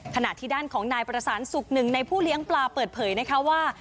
ขณะที่ด้านของนายประสานสุขหนึ่งในผู้เลี้ยงปลาเปิดเผยนะคะว่า